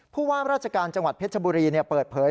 ผู้ว่าราชการจังหวัดเพชรบุรีเปิดเผย